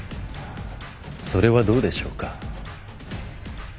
それはどうでしょうか？